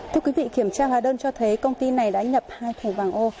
thưa quý vị kiểm tra hóa đơn cho thấy công ty này đã nhập hai thẻ vàng ô